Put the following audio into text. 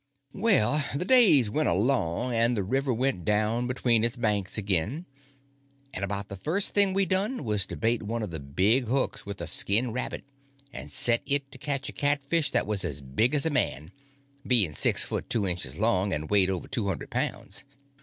Well, the days went along, and the river went down between its banks again; and about the first thing we done was to bait one of the big hooks with a skinned rabbit and set it and catch a catfish that was as big as a man, being six foot two inches long, and weighed over two hundred pounds.